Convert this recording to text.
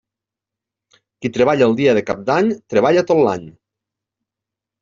Qui treballa el dia de Cap d'any treballa tot l'any.